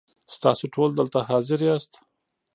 ستاسو ټول دلته حاضر یاست .